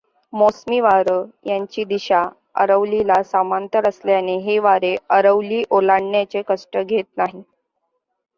मोसमी वार् याची दिशा अरवलीला समांतर असल्याने हे वारे अरवली ओलांडण्याचे कष्ट घेत नाहीत.